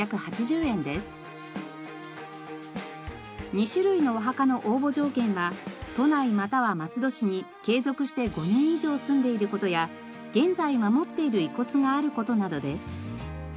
２種類のお墓の応募条件は都内または松戸市に継続して５年以上住んでいる事や現在守っている遺骨がある事などです。